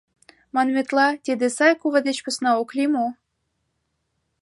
Манметла, тиде сай кува деч посна ок лий мо?..